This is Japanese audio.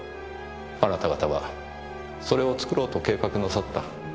あなた方はそれを作ろうと計画なさった。